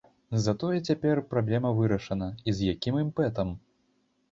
Затое цяпер праблема вырашана, і з якім імпэтам!